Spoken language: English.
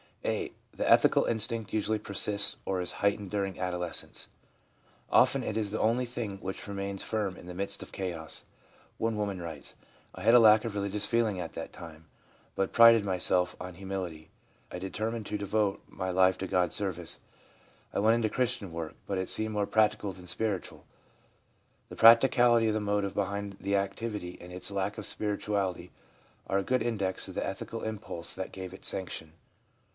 (a) The ethical instinct usually persists or is heightened during adolescence. Often it is the only thing which remains firm in the midst of chaos. One woman writes : 1 I had a lack of religious feeling at that time, but prided myself on my humility. I determined to devote my life to God's service. I went into Christian work, but it seemed more practical than spiritual/ The practicality of the motive behind the activity and its lack of spirituality are a good index of the ethical impulse that gave it sanction.